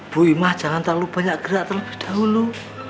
bu imah jangan terlalu banyak gerak terlebih dahulu